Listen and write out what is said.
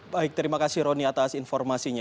baik terima kasih roni atas informasinya